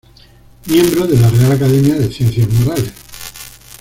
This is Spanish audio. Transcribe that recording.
Miembro de la Real Academia de Ciencias Morales.